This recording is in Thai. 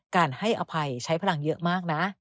การให้อภัยใช้พลังเยอะมากนะ